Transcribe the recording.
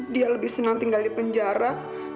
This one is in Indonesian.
dia lebih senang tinggal di penjara